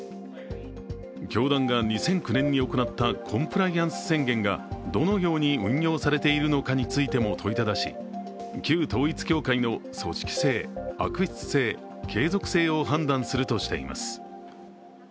教団が２００９年に行ったコンプライアンス宣言がどのように運用されているのかについても問いただし旧統一教会の組織性、悪質性、継続性を判断するとしています。